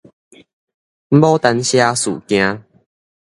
牡丹社事件